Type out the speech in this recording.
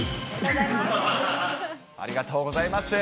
ありがとうございます。